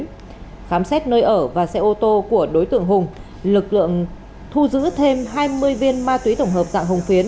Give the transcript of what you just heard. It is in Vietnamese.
khám xét nơi ở và xe ô tô của đối tượng hùng lực lượng thu giữ thêm hai mươi viên ma túy tổng hợp dạng hồng phiến